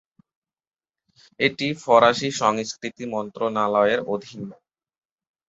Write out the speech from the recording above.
এটি ফরাসি সংস্কৃতি মন্ত্রণালয়ের অধীন।